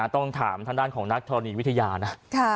ต้องถามทางด้านของนักธรณีวิทยานะ